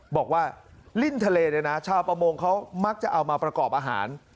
บอกว่าลิ้นทะเลเนี่ยนะชาวประมงเขามักจะเอามาประกอบอาหาร